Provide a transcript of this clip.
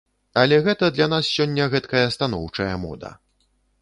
Але гэта для нас сёння гэткая станоўчая мода.